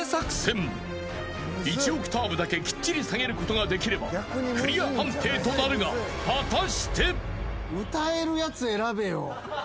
［１オクターブだけきっちり下げることができればクリア判定となるが果たして］